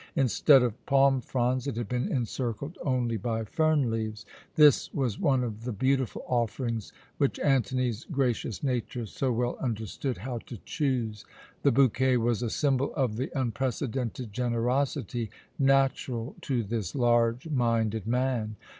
Instead of palm fronds, it had been encircled only by fern leaves. This was one of the beautiful offerings which Antony's gracious nature so well understood how to choose. The bouquet was a symbol of the unprecedented generosity natural to this large minded man.